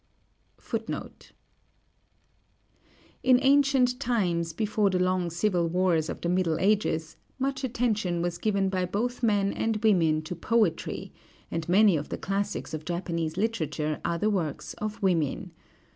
In ancient times, before the long civil wars of the Middle Ages, much attention was given by both men and women to poetry, and many of the classics of Japanese literature are the works of women.